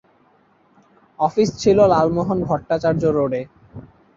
Office ছিল লালমোহন ভট্টাচার্য রোডে।